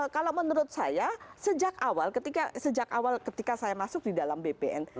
kalau menurut saya sejak awal ketika saya masuk di dalam bpn